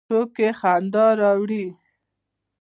ټوکې خندا راوړي